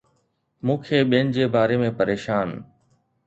مون کي ٻين جي باري ۾ پريشان